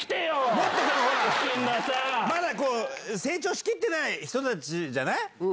成長しきってない人たちじゃない。